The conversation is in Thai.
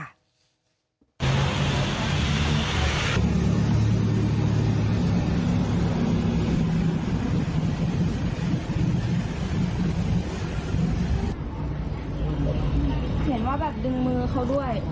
เห็นว่าแบบดึงมือเขาด้วย